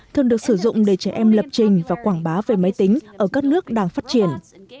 thường được sử dụng để trẻ em lập trình và quảng bá về máy tính ở các nước đang phát triển